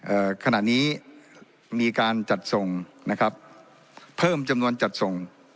ขณะนี้มีการจัดส่งนะครับเพิ่มจำนวนจัดส่ง